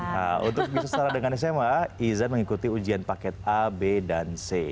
nah untuk bisa setara dengan sma izan mengikuti ujian paket a b dan c